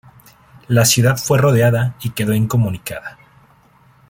La ciudad fue rodeada y quedó incomunicada.